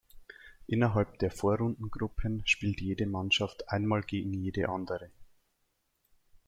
Innerhalb der Vorrundengruppen spielt jede Mannschaft einmal gegen jede andere.